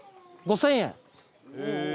５，０００円。